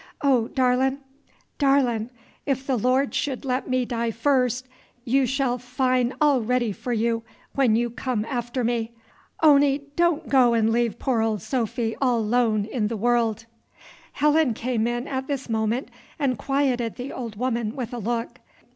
Oh, darlin', darlin'! if th' Lord should let me die firs', you shall fin' all ready for you when you come after me. On'y don' go 'n' leave poor Ol' Sophy all 'lone in th' world!" Helen came in at this moment and quieted the old woman with a look.